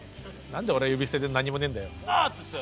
何で俺は呼び捨てで何もねえんだよ！